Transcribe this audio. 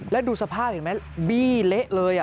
แล้วดูสภาพเห็นไหมบี้เละเลย